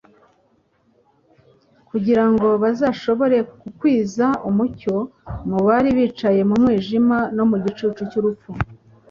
kugira ngo bazashobore gukwiza umucyo mu bari bicaye mu mwijima no mu gicucu cy'urupfu.